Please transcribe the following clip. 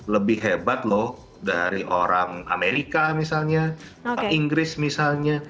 lebih hebat loh dari orang amerika misalnya inggris misalnya